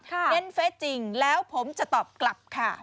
เน้นเฟสจริงแล้วผมจะตอบกลับค่ะ